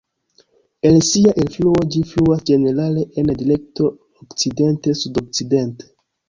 El sia elfluo, ĝi fluas ĝenerale en direkto okcidente-sudokcidente.